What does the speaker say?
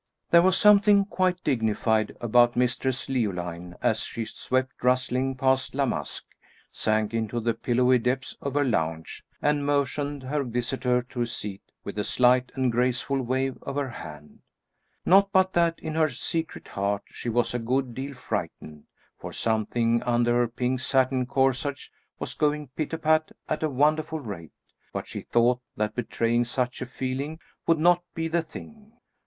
There was something quite dignified about Mistress Leoline as she swept rustling past La Masque, sank into the pillowy depths of her lounge, and motioned her visitor to a seat with a slight and graceful wave of her hand. Not but that in her secret heart she was a good deal frightened, for something under her pink satin corsage was going pit a pat at a wonderful rate; but she thought that betraying such a feeling would not be the thing.